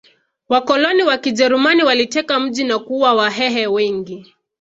Wakoloni wakijerumani waliteka mji na kuua wahehe wengi